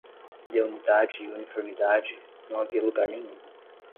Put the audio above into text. De unidade e uniformidade, não havia lugar nenhum.